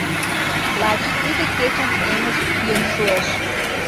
Лач тиде кечын эҥыж кӱын шуэш.